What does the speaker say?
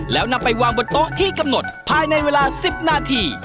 แล้วนำไปวางบนโต๊ะที่กำหนดภายในเวลา๑๐นาที